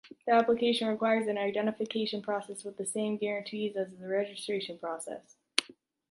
The application requires an identification process with the same guarantees as the registration process.